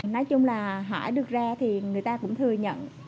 nói chung là hỏi được ra thì người ta cũng thừa nhận